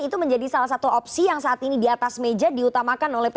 itu menjadi salah satu opsi yang saat ini diatas meja diutamakan oleh pkb